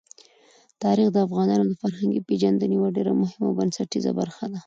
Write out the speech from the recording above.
تاریخ د افغانانو د فرهنګي پیژندنې یوه ډېره مهمه او بنسټیزه برخه ده.